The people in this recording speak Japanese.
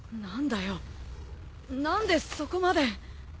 何だよ何でそこまで。